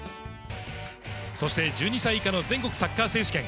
そして１２歳以下の全国サッカー選手権。